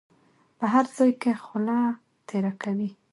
په هر ځای کې خوله تېره کوي.